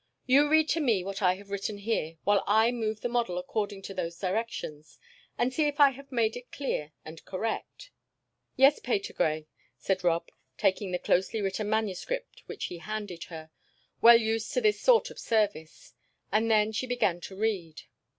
You read to me what I have written here, while I move the model according to those directions, and see if I have made it clear and correct." "Yes, Patergrey," said Rob, taking the closely written manuscript which he handed her, well used to this sort of service. And then she began to read.